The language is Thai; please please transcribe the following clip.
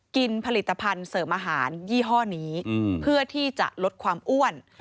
กินผลิตภัณฑ์เสริมอาหารยี่ห้อนี้เพื่อที่จะลดความอ้วน